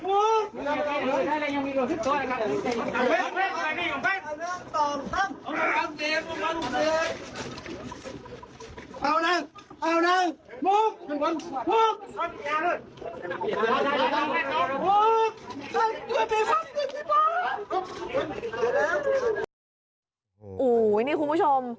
โอ้ววิทยาคุณผู้ชม